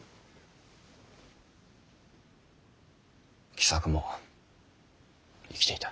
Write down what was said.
喜作も生きていた。